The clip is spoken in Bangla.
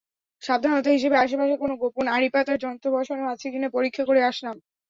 সাবধানতা হিসেবে আশেপাশে কোনো গোপন আড়িপাতার যন্ত্র বসানো আছে কি না পরীক্ষা করে আসলাম।